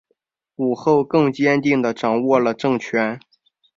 武后更坚定地掌握了政权。